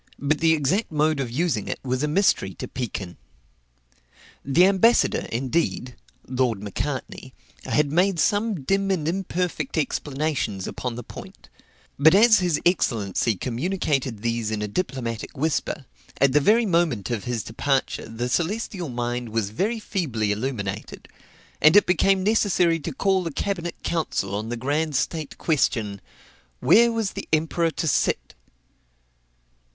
but the exact mode of using it was a mystery to Pekin. The ambassador, indeed, (Lord Macartney,) had made some dim and imperfect explanations upon the point; but as his excellency communicated these in a diplomatic whisper, at the very moment of his departure, the celestial mind was very feebly illuminated; and it became necessary to call a cabinet council on the grand state question "Where was the emperor to sit?"